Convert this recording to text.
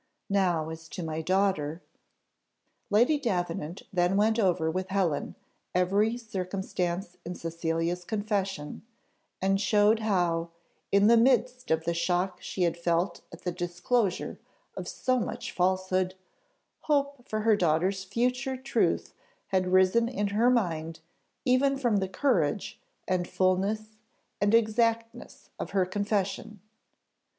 Now as to my daughter " Lady Davenant then went over with Helen every circumstance in Cecilia's confession, and showed how, in the midst of the shock she had felt at the disclosure of so much falsehood, hope for her daughter's future truth had risen in her mind even from the courage, and fulness, and exactness of her confession.